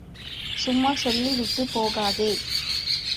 சும்மா சொல்லி விட்டுப் போகாதே.